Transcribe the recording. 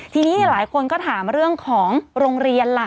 ทีนี้หลายคนก็ถามเรื่องของโรงเรียนล่ะ